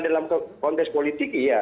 dalam konteks politik iya